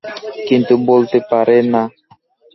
কিন্তু বলতে পারে না।